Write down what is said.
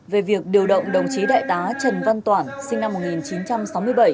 về việc điều động đồng chí đại tá trần văn toản sinh năm một nghìn chín trăm sáu mươi bảy